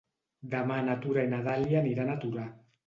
Demà na Tura i na Dàlia aniran a Torà.